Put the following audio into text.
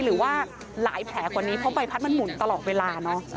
หรือว่าหลายแผลกว่านี้เพราะใบพัดมันหมุนตลอดเวลาเนอะ